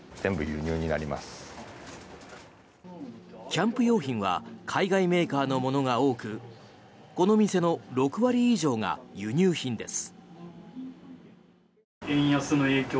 キャンプ用品は海外メーカーのものが多くこの店の６割以上が輸入品です。